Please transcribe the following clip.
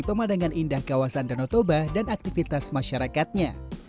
pemandangan indah kawasan danau toba dan aktivitas masyarakatnya